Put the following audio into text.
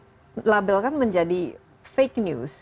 tapi tiba tiba dilabelkan menjadi fake news